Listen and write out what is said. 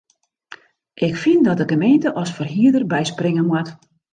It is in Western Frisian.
Ik fyn dat de gemeente as ferhierder byspringe moat.